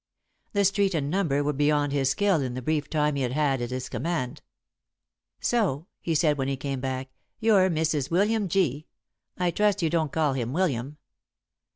The street and number were beyond his skill in the brief time he had at his command. "So," he said, when he came back, "you're Mrs. William G. I trust you don't call him 'William'?"